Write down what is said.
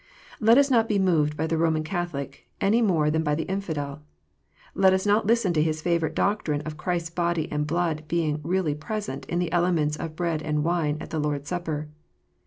Let us not be moved by the Roman Catholic, any more than by the infidel. Let us not listen to his favourite doctrine of Christ s body and blood being " really present " in the elements of bread and wine at the Lord s Supper.